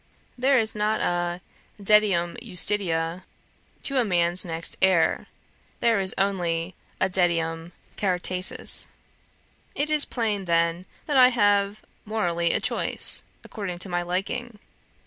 There is not a debitum justitice to a man's next heir; there is only a debitum caritatis. It is plain, then, that I have morally a choice, according to my liking.